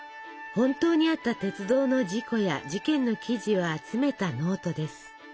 本当にあった鉄道の事故や事件の記事を集めたノートです。